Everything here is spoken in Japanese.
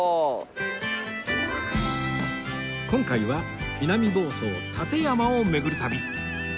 今回は南房総館山を巡る旅